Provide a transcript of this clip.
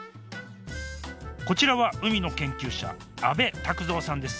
こちらは海の研究者阿部拓三さんです。